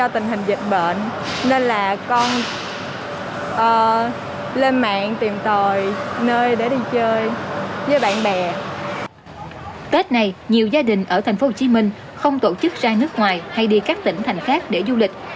tết này nhiều gia đình ở tp hcm không tổ chức ra nước ngoài hay đi các tỉnh thành khác để du lịch